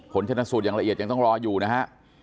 ผลชนสูตรอย่างละเอียดยังต้องรออยู่นะฮะ